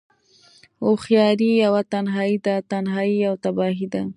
هوښياری يوه تنهايی ده، تنهايی يوه تباهی ده